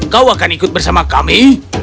kau akan ikut bersama kami